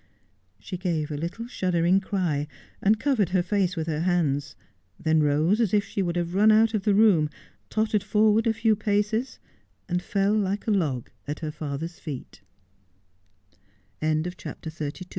She gave a little shuddering cry, and covered her face with her hands, then rose as if she would have run out of the room, tottered forward a few paces, and fell like a log at her father's feet.